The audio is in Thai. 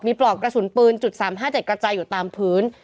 ปลอกกระสุนปืน๓๕๗กระจายอยู่ตามพื้น